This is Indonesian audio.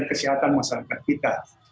dan kesihatan masyarakat kita